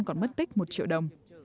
còn mất tích một triệu đồng